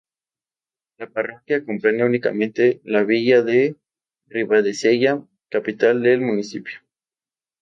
La parroquia comprende únicamente la villa de Ribadesella, capital del municipio.